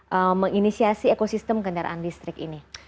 apa yang kamu ingin tahu mengenisiasi ekosistem kendaraan listrik ini